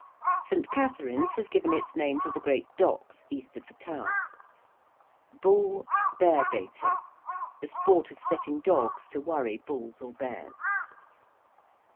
~St. Katharine's~ has given its name to the great docks east of the Tower. ~bull , bear baiting~: the sport of setting dogs to worry bulls or bears.